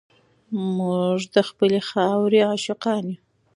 موږ د خپلې خاورې عاشقان یو.